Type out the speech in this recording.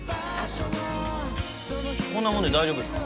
こんなもんで大丈夫ですか？